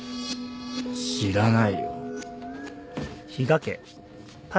知らないよ。